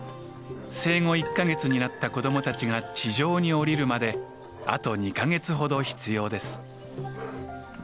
生後１か月になった子どもたちが地上に下りるまであと２か月ほど必要です。